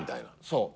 そう。